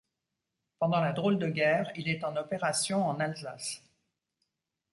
Pendant la drôle de guerre, il est en opération en Alsace.